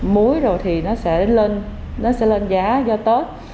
múi rồi thì nó sẽ lên giá do tết